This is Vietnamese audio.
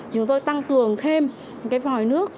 chúng tôi tăng cường thêm cái vòi nước